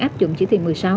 áp dụng chỉ thị một mươi sáu